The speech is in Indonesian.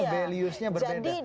agendanya valuesnya berbeda